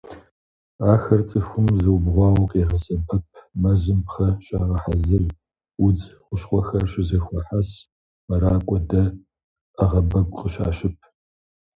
Ахэр цӀыхум зыубгъуауэ къегъэсэбэп: мэзым пхъэ щагъэхьэзыр, удз хущхъуэхэр щызэхуахьэс, мэракӀуэ, дэ, Ӏэгъэбэгу къыщащып.